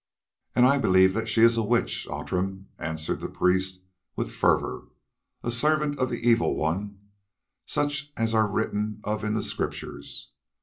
"And I believe that she is a witch, Outram," answered the priest with fervour, "a servant of the Evil One, such as are written of in the Scriptures.